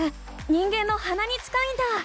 人間のはなに近いんだ！